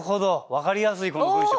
分かりやすいこの文章。